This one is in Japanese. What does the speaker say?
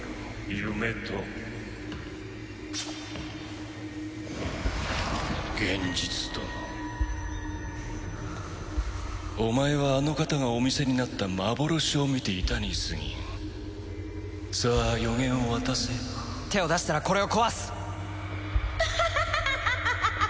夢と現実とのお前はあの方がお見せになった幻を見ていたにすぎんさあ予言を渡せ手を出したらこれを壊すアハハハハハ